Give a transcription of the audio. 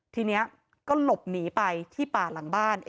ทีนี้ก็หลบหนีไปที่ป่าหลังบ้าน